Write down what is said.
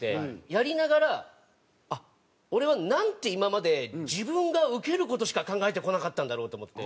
やりながら俺はなんて今まで自分がウケる事しか考えてこなかったんだろうと思って。